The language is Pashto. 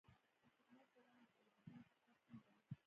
د خدمت دوام د پیرودونکي خوښي ده.